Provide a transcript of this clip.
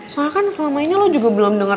soalnya kan selama ini lo juga belum dengar